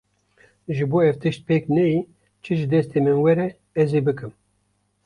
Ji bo ev tişt pêk neyê çi ji destên min were ez ê bikim.